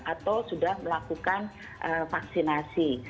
atau sudah melakukan vaksinasi